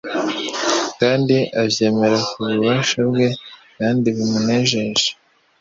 kandi abyemera ku bushake bwe kandi bimunejeje.